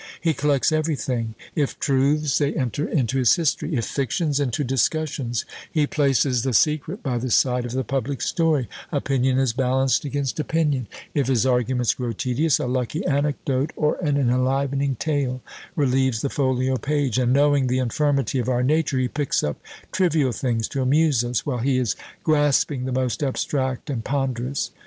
He collects everything; if truths, they enter into his history; if fictions, into discussions; he places the secret by the side of the public story; opinion is balanced against opinion: if his arguments grow tedious, a lucky anecdote or an enlivening tale relieves the folio page; and knowing the infirmity of our nature, he picks up trivial things to amuse us, while he is grasping the most abstract and ponderous.